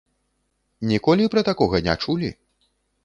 Ніколі пра такога не чулі?